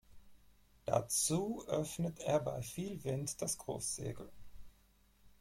Dazu öffnet er bei viel Wind das Großsegel.